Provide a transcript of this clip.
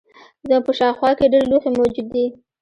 زموږ په شاوخوا کې ډیر لوښي موجود دي.